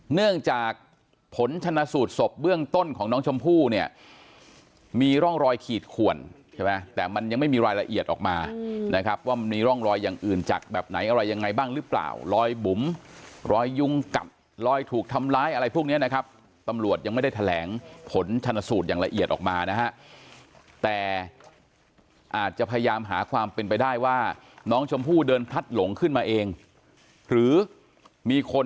เนื่องจากผลชนะสูตรศพเบื้องต้นของน้องชมพู่เนี่ยมีร่องรอยขีดขวนใช่ไหมแต่มันยังไม่มีรายละเอียดออกมานะครับว่ามันมีร่องรอยอย่างอื่นจากแบบไหนอะไรยังไงบ้างหรือเปล่ารอยบุ๋มรอยยุงกัดรอยถูกทำร้ายอะไรพวกนี้นะครับตำรวจยังไม่ได้แถลงผลชนสูตรอย่างละเอียดออกมานะฮะแต่อาจจะพยายามหาความเป็นไปได้ว่าน้องชมพู่เดินพลัดหลงขึ้นมาเองหรือมีคน